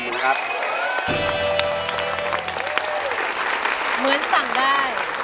เหมือนสั่งได้